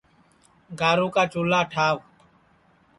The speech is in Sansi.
گارُو کا چُولھا ٹھاوَ